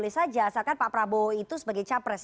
boleh saja asalkan pak prabowo itu sebagai capres